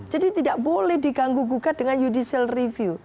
jadi tidak boleh diganggu gugat dengan judicial review